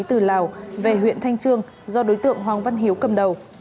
từ lào về huyện thanh trương do đối tượng hoàng văn hiếu cầm đầu